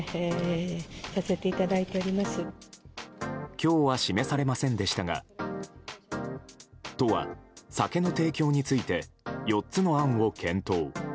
今日は示されませんでしたが都は、酒の提供について４つの案を検討。